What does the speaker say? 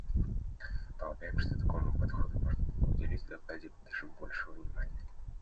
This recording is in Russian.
Полагаем, что такому подходу можно было бы уделить в докладе даже больше внимания.